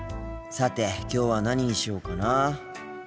さてきょうは何にしようかなあ。